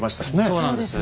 そうなんです。